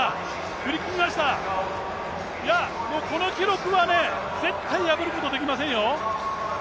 振り切りました、いや、この記録はね、絶対破ることができませんよ。